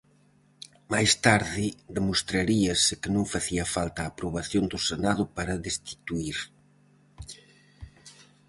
Máis tarde demostraríase que non facía falta a aprobación do Senado para destituír.